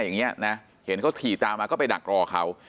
อย่างนี้นะเห็นเขาขี่ตามมาก็ไปดักรอเขา